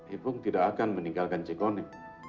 ipung tidak akan meninggalkan cikonik